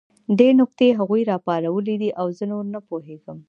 دې نکتې هغوی راپارولي دي او زه نور نه پوهېږم